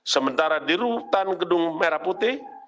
sementara di rutan gedung merah putih